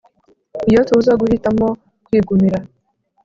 Iyo tuza guhitamo kwigumira